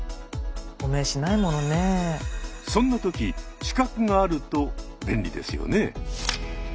そんな時資格があると便利ですよね。